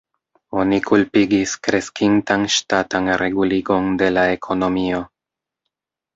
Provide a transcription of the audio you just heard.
Oni kulpigis kreskintan ŝtatan reguligon de la ekonomio.